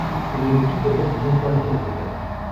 Pero el equipo terminó cuarto en la Liga.